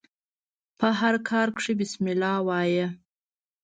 په هر کار کښي بسم الله وايه!